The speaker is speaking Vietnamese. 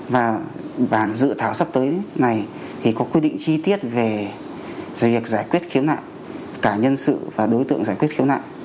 và bản dự thảo sắp tới này thì có quy định chi tiết về việc giải quyết khiếu nạ cả nhân sự và đối tượng giải quyết khiếu nại